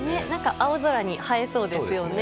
青空に生えそうですよね。